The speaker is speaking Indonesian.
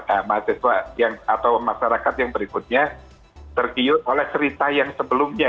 nah mahasiswa atau masyarakat yang berikutnya tergiur oleh cerita yang sebelumnya